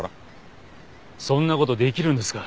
そんな事できるんですか？